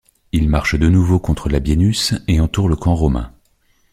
Il marche de nouveau contre Labienus et entoure le camp romain.